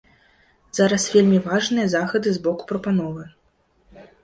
Зараз вельмі важныя захады з боку прапановы.